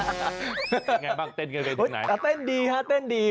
ยังไงบ้างเต้นเกินไปจากไหนแต่เต้นดีค่ะเต้นดี